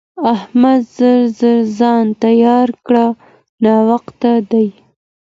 احمده! ژر ژر ځان تيار کړه؛ ناوخته دی.